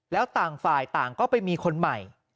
แล้วต่างฝ่ายต่างก็ไปมีคนใหม่